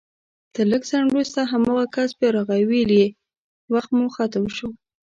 تر لږ ځنډ وروسته هماغه کس بيا راغی ويل يې وخت مو ختم شو